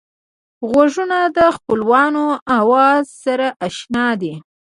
غوږونه د خپلوانو آواز سره اشنا دي